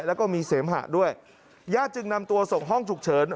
แล้วก็มีเสมหะด้วยญาติจึงนำตัวส่งห้องฉุกเฉิน